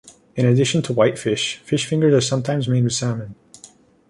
In addition to white fish, fish fingers are sometimes made with salmon.